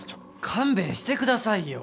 勘弁してくださいよ。